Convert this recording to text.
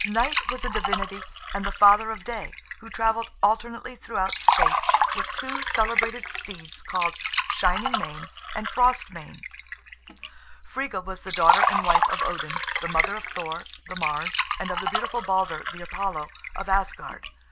Night was a divinity and the father of Day, who travelled alternately throughout space, with two celebrated steeds called Shining mane and Frost mane. Friga was the daughter and wife of Odin; the mother of Thor, the Mars, and of the beautiful Balder, the Apollo, of Asgard.